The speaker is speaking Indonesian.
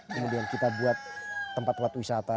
kemudian kita buat tempat tempat wisata